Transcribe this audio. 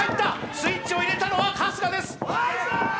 スイッチを入れたのは春日です。